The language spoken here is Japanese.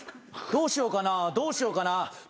どうしようかなどうしようかなんどうする？